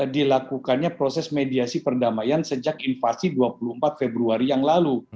dilakukannya proses mediasi perdamaian sejak invasi dua puluh empat februari yang lalu